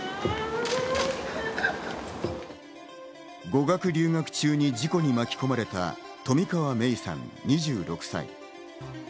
語学留学中に事故に巻き込まれた冨川芽生さん、２６歳。